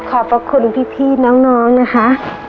กลับขอบคุณพี่น้องนะคะ